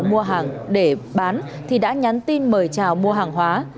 mua hàng để bán thì đã nhắn tin mời chào mua hàng hóa